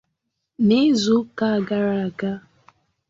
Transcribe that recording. n’izuụka gara aga